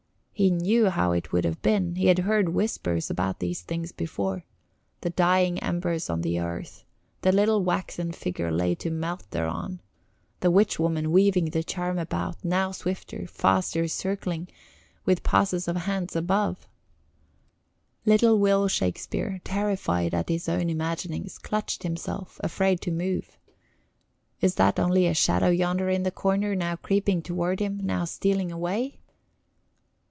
He knew how it would have been; he had heard whispers about these things before; the dying embers on the hearth, the little waxen figure laid to melt thereon, the witch woman weaving the charm about now swifter, faster circling with passes of hands above. [Illustration: "Will clambered up on the settle to think it all over"] Little Will Shakespeare, terrified at his own imaginings, clutched himself, afraid to move. Is that only a shadow yonder in the corner, now creeping toward him, now stealing away?